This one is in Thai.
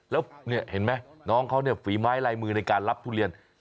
แล้วเห็นไหมน้องเขาเนี่ยฝีไม้ลายมือในการรับทุเรียน